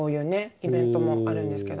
イベントもあるんですけど。